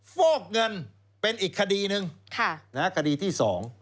ฟอกเงินเป็นอีกคดีหนึ่งคดีที่๒